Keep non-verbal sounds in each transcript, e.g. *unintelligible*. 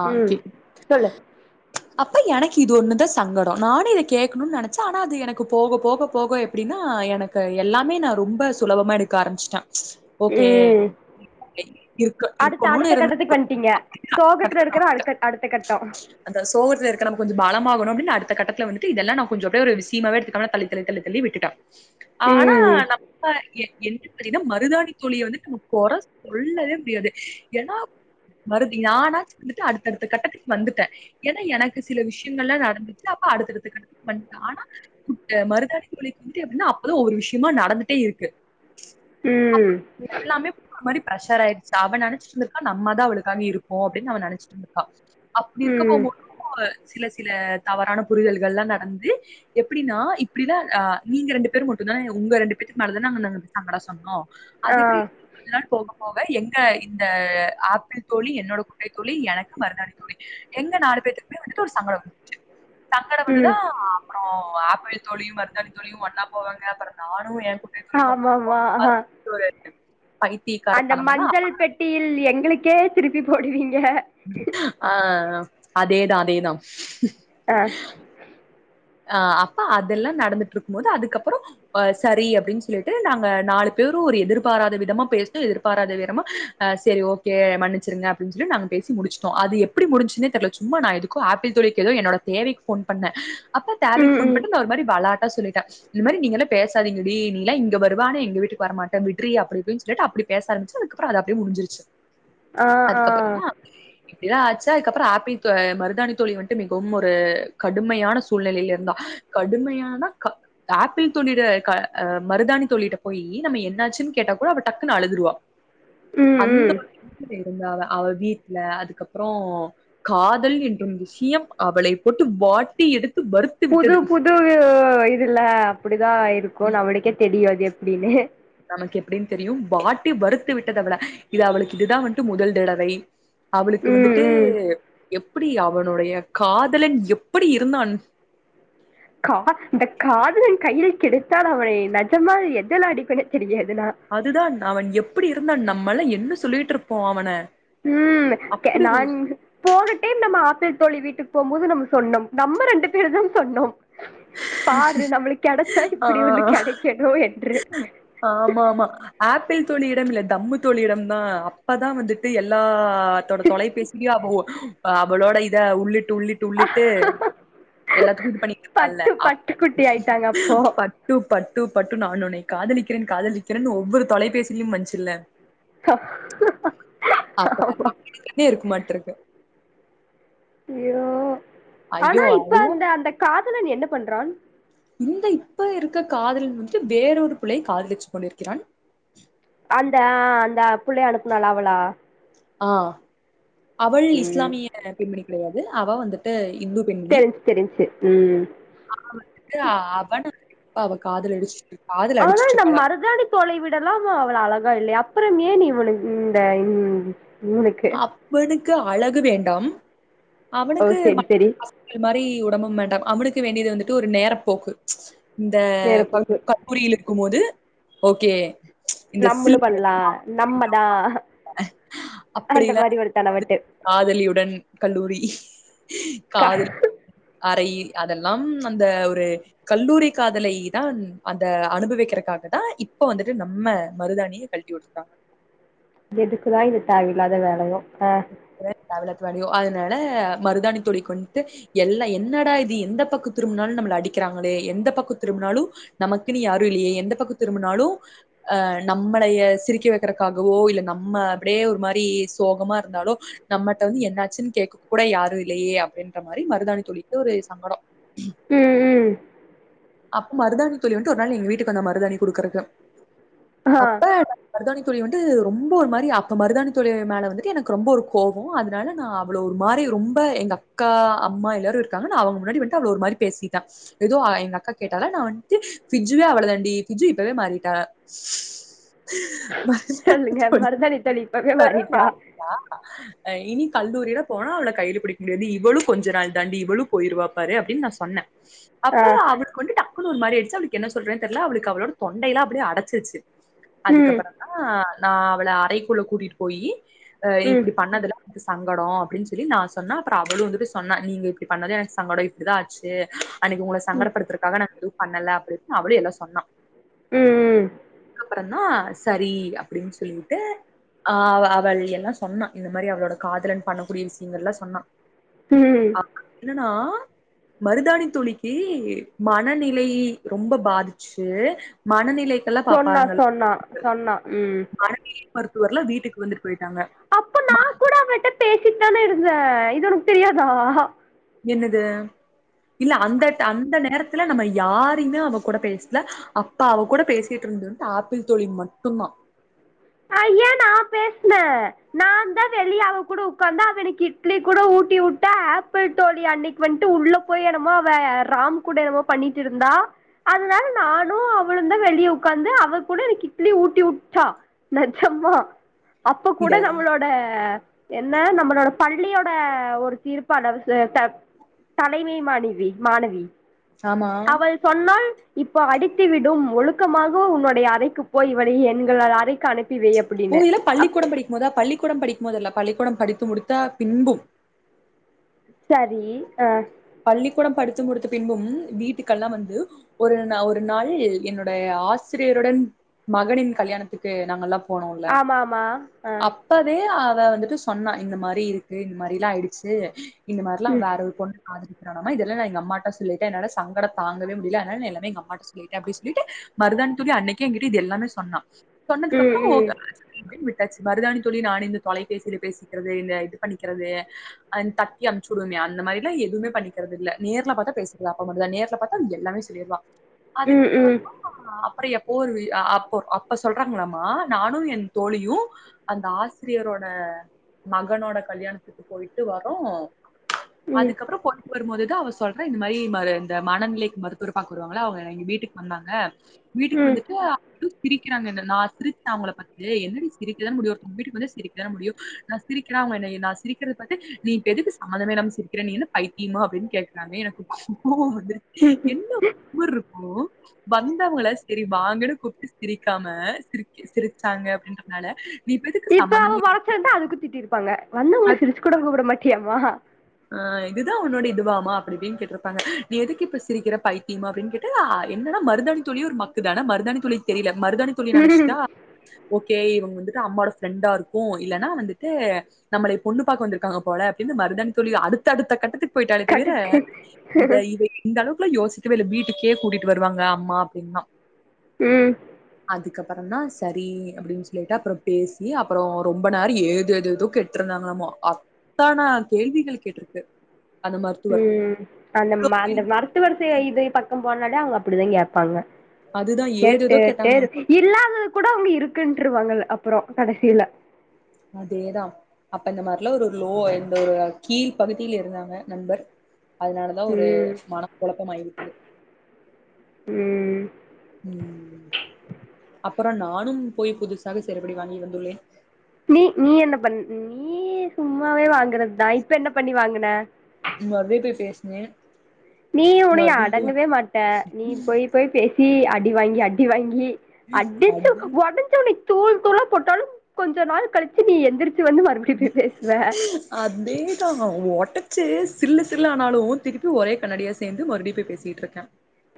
ஆ ம் கேக் சொல்லு அப்ப எனக்கு இது ஒண்ணுதா சங்கடோ நானு இத கேக்கணுனு நெனைச்ச ஆனா அது எனக்கு போக போக போக எப்டின்னா எனக்கு எல்லாமே நா ரொம்ப சுலபமா எடுக்க ஆரம்பிச்சிட்டே ஓகே ம் இருக் இருக்கணுனு இருந்தா ங்க சோகத்துல இருக்கிற அடு அடுத்த கட்டோ அந்த சோகத்துல இருக்க நமக் கொஞ்ச பலமாகணு அப்டினு அடுத்தகட்டத்துல வந்துட்டு இதெல்ல நா கொஞ்ச அப்டி ஒரு விஷயமாவ எடுத்துக்காம நா தள்ளி தள்ளி விட்டுட்ட ஆனா ம் நம்ம என் என்ன பாத்தீன்னா மருதாணி துழிய வந்துட்டு நம்ம கொற சொல்லவே முடியாது ஏன்னா வருதி நானாச்சு வந்துட்டு அடுத்தடுத்த கட்டத்துக் வந்துட்டே ஏனா எனக்கு சில விஷயங்கள்லா நடந்துச்சு அப்ப அடுத்தடுத்து கட்டத்துக் வந்ட்டே ஆனா குட்ட மருதாணி தோழிக்கு வந்ட்டு எப்டின்னா அப்பதா ஒவ்ரு விஷயமா நடந்துட்டே இருக்கு அப்ப ம் எல்லாமே *unintelligible* மாரி ப்ரஷர் ஆயிச்சு அவ நெனச்சிட்ருந்திருக்கா நம்மதா அவளுக்காக இருக்கோ அப் டினு அவ நெனைச்ட்டு இருந்துர்க்கா அப்டி இருக்க ம் போம்போ *unintelligible* சில சில தவறான புரிதல்கள்லா நடந்து எப்டின்னா இப்டிதா அ நீங்க ரண்டு பேரு மட்டுந்தா எ உங்க ரண்டு பேத்துக்கு நல்லதான நாங்க நாங்களா சொன்னோ ஆ அது எப்டி கொஞ்ச நாள் போக போக எங்க இந்த ஆப்பிள் தோழி என்னோட தோழி எனக்கு மருதாணி தோழி எங்க நாலு பேத்துக்குமெ வந்துட்டு ஒரு சங்கட வந்துச்சி சங்கட வந்துதா ம் அப்றோ ஆப்பிள் தோழியு மருதாணி தொழியு ஒன்னா போவாங்க அப்ற நானு என்கூ ஆமாமா ஆ பைத்திய காரத்தனம்லா *unintelligible* ட்டியில் எங்களுக்கே திருப்பி போடுவீங்க ஆ அதேதா அதேதா ஆ ஆ அப்ப அதெல்லா நடந்துட்டு இருக்கு போது அதுக்கப்றோ அ சரி அப்டின்னு சொல்லிட்டு நாங்க நாலு பேரு ஒரு எதிர்பாராத விதமா பேசினோ எதிர்பாராத விரமா அ சரி ஓகே மன்னிச்சுருங்க அப்டின் சொல்லி நாங்க பேசி முடிச்ட்டோ அது எப்டி முடிஞ்ச்சுன்னே தெர்ல சும்மா நா எது க்கோ ஆப்பிள் தோழிக்கு எதோ என்னோட தேவைக்கு ஃபோன் பண்ண அப்ப தேவைக் ம் ஃபோன் ம் பண்ட்டு நா ஒரு மாரி வெளாட்ட சொல்லிட்டே இந்த மாரி நீங்கல்ல பேசாதீங்கடி நீலா இங்க வருவ ஆனா எங்க வீட்டுக்கு வர மாட்ட விட்ரி அப்டி இப்டின்னு சொல்லிட்டு அப்டி பேச ஆரம்ச்சு அதுக்கப்றோ அது அப்டிய முடிஞ்சுருச்சு *inaudible* ஆ அதுக்கப்புறமா இப்டிதா ஆச்சா அதுக்கப்பறோ ஆப்பிள் தோ மருதாணி தோழி வந்ட்டு மிகவும் ஒரு கடுமையான சூழ்நிலைல இருந்தா கடுமையான க ஆப்பிள் தோழிட க அ மருதாணி தோழிட்ட போய் நம்ம என்னாச்சுன்னு கேட்டா கூட அவ டக்குன்னு அழுதுடுவா ம் அந்த ம் *inaudible* இருந்த அவ அவ வீட்ல அதுக்கப்புறோ காதல் என்றும் விஷயம் அவளை போட்டு வாட்டி எடுத்து வறுத் புது புது இதுல அப்படிதா இருக்கு ம் நம்மளுக்கே தெரியு அது எப்டின்னு நமக்கு எப்டின்னு தெரியும் வாட்டி வறுத்து விட்டது அவள இது அவளுக்கு இதுதா வந்ட்டு முதல் தடவை அவளுக்கு ம் வந்துட்டு ம் எப்டி அவனுடைய காதலன் எப்டி இருந்தான் கா இந்த காதலன் கையில் கிடைத்தால் அவனை நஜமா எதலா அடிப்பேன்னு தெரியாது நா அதுதான் அவன் எப்படி இருந்தான் நம்மெல்லா என்ன சொல்லிட்டு இருப்போ அவன ம் தே அப்டி ஒரு நான் போன டைம் நம்ம ஆப்பிள் தோழி வீட்டுக்கு போம்போது நம்ம சொன்னோம் நம்ம ரெண்டு பேரும் தா சொன்னோம் பாரு நம்மளுக்கு கெடைச்சா ஆ இப்படி ஒன்னு கெடைக்கணு என்று ஆமா ஆமா ஆப்பிள் தோழியிடம் இல்ல தம்மு தோழியிடம் தா அப்பதா வந்துட் டு எல்லாத்தோட தொலைபேசி யாபகோ அவளோட இத உள்ளிட்டு உள்ளிட் டு உள்ளிட்டு எல்லாத்துக்கு இது பண்ணிட்டுருப்பல்ல பட்டு அப் பட்டு குட்டி ஆயிட்டாங்க அப்போ பட்டு பட்டு பட்டு நான் உன்னை காதலிக்கிறேன் காதலிக்கிறேன் ஒவ்வொரு தொலைபேசியிலயு வந்ச்சில அப்ப ஆமா. *inaudible* இருக்க மாட்ருக்கு ஐயோ ஆனா ஐயோ இப்ப அந்த அந்த காதலன் என்ன பண்றான் இந்த இப்ப இருக்க காதலன் வந்துட்டு வேறொரு பிள்ளைய காதலிச்சு கொண்டிருக்கிறான் அந்த அந்த புள்ளையா அனுப்புனால அவளா ஆ அவள் ம், இஸ்லாமிய பெண்மணி கிடையாது அவ வந்துட்டு இந்து பெண் தெரிஞ்சு தெரிஞ்சு ம் அவ வந்துட்டு அவனப்ப அவ காதல அடிச்சு ஆனா நம் மருதாணி தொலைவிடலாம அவள அழகா இல்லை அப்பறம் ஏன் இவனு இந்த இவனுக்கு அவனுக்கு அழகு வேண்டாம் ஓ அவனுக்கு சரி சரி மாதி உடம்பம் வேண்டா அமுனுக்கு வேண்டியது வந்துட்டு ஒரு நேரப்ப போக்கு இந்த நெருப்புக்கு *inaudible* கூரியில் இருக்கும் போது ஓகே இந்த நம்மளு சில்வர் பண்ணலா நம்மதா அப்படிலா இருக்கும் போது காதலியுடன் கல்லூரி கா காதல் அரைையில் ம் அதெல்லா அந்த ஒரு கல்லூரி காதலை தா அந்த அனுபவிக்கிறதுக்காக தா இப்ப வந்துட்டு நம்ம மருதாணிய கழட்டுவிட்ருக்காங்க எதுக்குதா இது தேவையில்லாத வேலவோ ஆ வளடியியோ அதனால மருதானி துளி கொண்ட்டு எல்லா என்னடா இது எந்த பக்கோ திரும்பினாலு நம்மள அடிக்கிறாங்களே எந்த பக்கோ திரும்பினாலு நமக்குன்னு யாரு இல்லையே எந்த பக்க திரும்பினாலு அ நம்மளைய சிரிக்கி வைக்கிறக்காகவோ இல்ல நம்ம அப்படியே ஒரு மாரி சோகமா இருந்தாலோ நம்மட்ட வந்து என்னாச்சுன்னு கேக்க கூட யாரு இல்லையே அப்படின்ற மாரி மருதானி தோழிலட்டு ஒரு சங்கடம் ம் ம் அப்ப மருதானி தோழி வன்ட்டு ஒரு நாள் எங்க வீட்டுக்கு வந்தா மருதாணி குடுக்குறக்கு ஆ அப்ப மருதாணித்தோழ வந்துட்டு ரொம்ப ஒரு மாரி அப்ப மருதாணி தொழி மேல வந்துட்டு எனக்கு ரொம்ப ஒரு கோப அதனால நா அவ்வளோ ஒரு மாரி ரொம்ப எங்கக்கா அம்மா எல்லாரு இருக்காங்க நா அவங்க முன்னாடி வந்துட்டு அவள ஒரு மாரி பேசிட்டே எதோ எங்க அக்காக் கேட்டால நா வண்ட்டு பிஜ்ஜுதா அவ்வளோ தாண்டி பிஜு இப்பவே மாறிட்டா மருதாணி சொல்லுங்க மருதாணித்தளி இப்பவே மாறிட்டா ஆ இனி கல்லூரியில போனா அவள கைல புடிக்க முடியாது இவளு கொஞ்ச நாள் தாண்டி இவளு போயிருவா பாரு அப்படினு நா சொன்னே *inaudible* அப்ப அவளுக்கு வந்து டக்குனு ஒருமாரி ஆயிடுச்சு அவளுக்கு என்ன சொல்றேன் தெர்ல அவளுக்கு அவளோட தொண்டையல்லா அப்படியே அடைச்சிருச்சு ம் அதுக்கப்பறந்தா நா அவள அறைக்குள்ள கூட்டிட்டு போயி அ ம் இப்படி பண்ணதுல சங்கடோ அப்படின் சொல்லி நா சொன்ன அப்பறோ அவளு வந்துட்டு சொன்னா நீங்க இப்படி பண்ணது எனக்கு சங்கடோ இப்படிதா ஆச்சு அன்னைக்கு உங்கள சங்கடப்படுத்துறதுக்காக நா எதுவு பண்ணல அப்படின்னு அவளு எல்லா சொன்னா ம் ம் அப்பறோ தா சரி அப்படின்னு சொல்லிட்டு ஆ அவள் எல்லா சொன்னா இந்த மாரி அவளோட காதலன் பண்ணக்கூடிய விஷயங்கள் எல்லா சொன்னா ம் *inaudible* என்னன்னா மருதாணி தூளிக்கு மனநிலை ரொம்ப பாதிச்சு மனநிலை எல்லா சொன்னா பாப்பாங்கள சொன்னா சொன்னா ம் மனநிலை மருத்துவர்லா வீட்டுக்கு வந்துட்டு போயிட்டாங்க அப்போ நா ம கூட அவட்ட பேசிட்டு தான இருந்தே இது ஒனக்கு தெரியாதா என்னது இல்ல அந்த அந்த நேரத்துல நம்ம யாரையுமே அவ கூட பேசல அப்ப அவ கூட பேசிட்டு இருந்துன்ட்டு ஆப்பிள் தோழி மட்டுந்தா ஐயா நா பேஸ்னே நாந்தா வெளிய அவ கூட உக்காந்த அவனுக்கு இட்லி கூட ஊட்டி விட்டா ஆப்பிள் தோழி அன்னைக் வந்ட்டு உள்ள போய் என்னமோ அவ ராம் கூட என்னமோ பண்ணிட்டு இருந்தா அதனால நானு அவளு தா வெளிய உக்காந்து கூட எனக்கு க இட்லி ஊட்டி விட்டா நஜம்மா அப்ப கூட இதெல்லாமே நம்மளோ ட என்ன நம்மளோட பள்ளியோட ஒருத்தி இருப்பா ச ட தலைமை மாணிவி மாணவி ஆமா சொன்னால் இப்போ அடித்துவிடும் ஒழுக்கமாக உன்னுடைய அறைக்கு போய் எங்கள் அறைக்கு க்கு அனுப்பி வை அப்படின்னு உங்க இதுல அப் பள்ளிக்கூடம் படிக்கும் போதா பள்ளிக்கூடோ படிக்கும் போதல்ல பள்ளிக்கூடம் படித்து முடித்த பின்பும் சரி அ பள்ளிக்கூடம் படித்து முடித்த பின்பும் வீட்டுக்கல்லா வந்து ஒரு ஒரு நாள் என்னோடைய ஆசிரியருடன் மகனின் கல்யாணத்துக்கு நாங்க எல்லா போனோம்ல ஆமா ஆமா ஆ அப் அப்பவே அவ வந்துட்டு சொன்னா இந்த மாரி இருக்கு இந்த மாரில்லா ஆயிடுச்சு இந்த மாரிலா ம் வேற ஒரு பொண்ணு ஆதரிக்கமா இதெல்லா நா எங்க அமாட்ட சொல்லிட்ட என்னால சங்கட தங்கவே முடியல அனால எல்லாமே எங்க அம்மாட்ட அப்டி சொல்லிட்டு மருதானி தோழி அன்னைக்க எங்கட்டு இது எல்லாமே சொன்னா ம் சொன்னதுக்குப்புறோ விட்டாச்சு மருதாணி தோழி நானு இந்த தொலைபேசில பேசிக்கறது இந்த இது பண்ணிக்கறது அ தக்கியம் சுடுமே அந்த மாரிலா எதும பன்னிக்கற இல்ல நேர்ல பாத்தா பேசுறது அப்ப மட்டுதா நேர்ல பா்த்தா அவ எல்லா சொல்லிடுவா ம் அதுக்கப்பறோ ம் ம் அப்றோ எப்போ ஒரு அப்போ அப்ப சொல்றாங்களாமா நானு என் தோழியு அந்த ஆசிரியரோட மகனோட கல்யாணத்துக்கு போயிட்டு வறோ ம் அதுக்கப்றோ வரும்போதுதா அவ சொல்றா இந்த மாரி ம இந்த மனநிலைக்கு மருத்துவருப்பக்கு வருவாங்கல்ல அவங்க எங்க வீட்டுக்கு வந்தாங்க வீட்டுக்கு ம் வந்துட்டு *inaudible* சிரிக்கறாங்க நா சிரித்த அவங்கள பத்தி என்னடி சிரிக்கத மும் தம்பட்டுக்கு வந்து சிரிக்க த மும் சிரிக்கறாங்க என்னய நா சிரிக்கத பத்து நீ இப்ப எதுக்கு *unintelligible* சிரிக்கிறேனே நீ என்ன பைத்தியமா அப்டின்னு கேக்குறாங்க எனக்கு கோவம் வந்து ம் ம் என்ன ஊர் இருக்கு வந்தவங்கள சரி வாங்கன்னு கூப்ட்டு சிரிக்காம சிரி சிரிச்சாங்க அப்டின்றனால இப்ப அவ வரச்சிந்தா அதுக்கு கூட திட்டிருப்பாங்க வந்தவங்கள சிரிச்சு கூட கூப்ட மாட்டியாமா ஆ இதுதா உன்னோட இதுவாமா அப்டின்னு இப்டினு கேட்ருப்பாங்க நீ எதுக்கு இப்ப சிரிக்கற பைத்தியமா அப்டின்னு கே ட்டு ஆ என்னடா மருதானி தோழி ஒரு மக்கு தான மருதானி தோழிக்கு தெரில மருதானி தோழி ம் நனச்சுட்டா ஓகே இவங்க வந்துட்டு அம்மாவோட ஃப்ரெண்டா இருக்கு இல்லன்னா வந்துட்டு நம்மலய பொண்ணு பாக்க வந்துருக்காங்க போல அப்டின்னு மருதானி தோழி அடுத்த அடுத்த கட்டத்துக்கு போயிட்டாளே தவிர கட்டுக்கு இத இ ந்த அளவுக்குலா யோசிக்கவே இல்ல வீட்டுக்கே கூட்டிட்டு வருவங்க அம்மா அப்டின்லா ம் அதுக்கப்றந்தா சரி அப்டின்னு சொல்லிட்டு அப்பரோ பேசி அப்ரோ ரொம்ப நேரோ ஏது எது எதோ கெட் கேட்டிருந்தாங்கலாமா அத்தன கேள்விகள் கேட்ருக்குது ம் அந்த கேள்வி அந்த மருத்து வரிச இது பக்கோ போனாலே அவங்க அப்டிதா கேப்பாங்க அதுதா ஏதேதோ கேட்டுட்டு கேட்டாங்கம்மா இல்லாதது கூட அவங்க இருக்குன்ட்டுருவாங்க அப்ரோ கடசியில அதேதா அப்ப இந்த மாரிலா ஒரு லோ இந்த ஒரு கீழ் பகுதியில இருந்தாங்க நண்பர் அதனாலதா ஒரு ம் மனக்கொலப்பமாயி விட்டது ம் ம் அப்பறோ நானும் போய் புதுசாக செறுப்படி வாங்கி வந்துள்ளேன் நீ நீ என்ன பண்ண நீ சும்மாவே வாங்குறது தா இப்ப என்ன பண்ணி வாங்குன ம்மாவே போய் பேசுனே நீ உனய அடங்கவே மாட்ட நீ போய் போய் பேசி அடி வாங்கி அடி வாங்கி அடிச்சு அடி ஒடஞ்சி உன்னய தூள் தூளா போட்டாலு கொஞ்ச நாள் கழிச்சு நீ எந்திரிச்சு வந்து மரு அதேதா ஒட்டச்சு சில்லு சில்லா ஆனாலு திருப்பி ஒரே கண்ணடியா சேந்து மறுபடியு போய் பேசிகிட்ருக்கே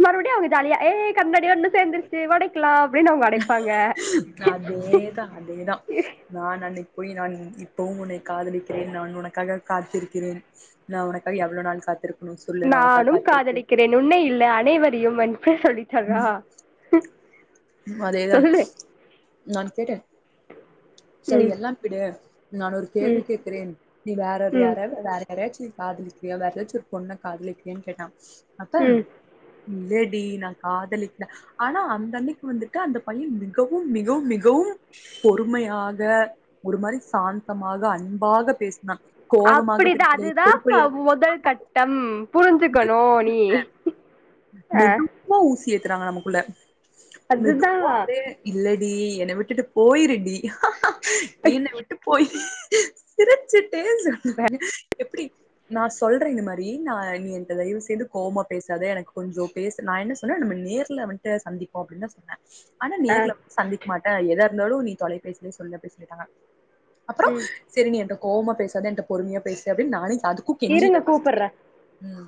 மறுபடியு அவுங்க ஜாலியா ஏ கண்ணாடி ஒண்ணு சேந்து டுச்சு ஒடைக்லா அப்டின்னு அவுங்க ஒடைப்பாங்க அதேதா அதேதா நான் அன்னைக்கி போய் நான் இப்பவும் உன்னை காதலிக்கிறேன் நான் உனக்காக காத்திருக்கிறேன் நா உனக்காக எவ்ளோ நாள் காத்திருக்குணு சொல்லு நா உனக்காக காத்திருக்கிறே வென் உன்னை இல்ல அனைவரையு *unintelligible* சொல்லித் அதேதான் சொல்லு நான் கேட்டேன் செரி ம் எல்லாம் விடு நான் ஒரு ம் கேள்வி கேட்கிறேன் நீ வேற ம் யாரைவ்து வேற வேறையாச்சு காதலிக்கிறியா வேற ஏதாச்சு ஒரு பொண்ண காதலிக்கிறியான்னு கேட்டே அப்ப ம் இல்லடி நா காதலிக்ல ஆனா அந்த அன்னைக்கு வந்துட்டு அந்த பய்யே மிகவும் மிகவும் மிகவும் பொறுமையாக க ஒரு மாரி சாந்தமாக அன்பாக பேசினா அப்படிதா அதுதா மொதல் கட்டம் புரிஞ்சுக்கணு நீ ஆ மெதுவா ஊசி ஏத்துறாங்க நமக்குள்ள அதுதா மெதுவா அப்டியே இல்லடி என்ன விட்டுட்டு போயிருடி என்ன விட்டு போயி சிருச்சிட்டே சொன்னாங்க எப்டி நா சொல்றே இந்த மாரி நா நீ என்ட தயவு செய்து கோவமா பேசாத எனக்கு கொஞ்சோ பேச நா என்ன சொன்னே நம்ம நேர்ல வந்ட்டு சந்திப்போ அப்டின்னு சொன்னே ஆனா அ நேர்ல சந்திக்க மாட்டே எதாருந்தாலு நீ தொலைபேசிலே சொல்லு அப்டி சொல்லிட்டாங்க ம் செரி நீ என்ட்ட கோவமா பேசாத என்ட்ட பொறுமையா பேசு அப்டின் நானு அதுக்கு இருங்க கெஞ்சிட்டே கூப்பட்ற ஃபஸ்ட்டு ம்